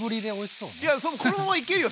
そうこのままいけるよ